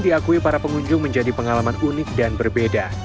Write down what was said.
diakui para pengunjung menjadi pengalaman unik dan berbeda